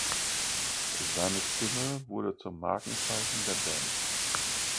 Seine Stimme wurde zum Markenzeichen der Band.